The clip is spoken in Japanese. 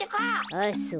あっそう。